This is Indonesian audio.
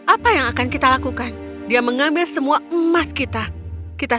apa yang akan kita lakukan dia mengambil semua emas kita